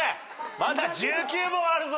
まだ１９問あるぞ！